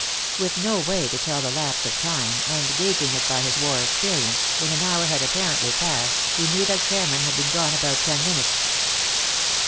With no way to tell the lapse of time, and gauging it by his war experience, when an hour had apparently passed by, he knew that Cameron had been gone about ten minutes.